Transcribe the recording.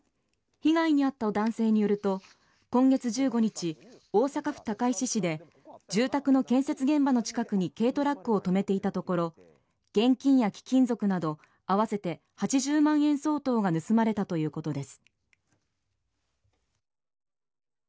被害に遭った男性によると今月１５日大阪府高石市で住宅の建設現場の近くに軽トラックを止めていたところ現金や貴金属など合わせて８０万円相当が盗まれたということです。